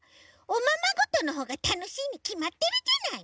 おままごとのほうがたのしいにきまってるじゃない！